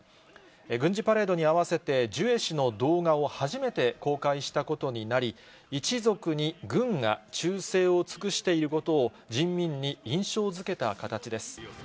軍事パレードに合わせて、ジュエ氏の動画を初めて公開したことになり、一族に軍が忠誠を尽くしていることを、人民に印象づけた形です。